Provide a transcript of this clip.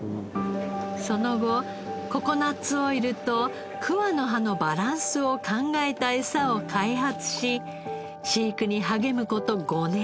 その後ココナッツオイルと桑の葉のバランスを考えたエサを開発し飼育に励む事５年。